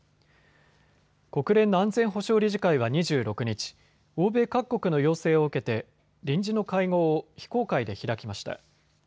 国連の安全保障理事会は２６日、欧米各国の要請を受けて臨時の会合を非公開で開きました。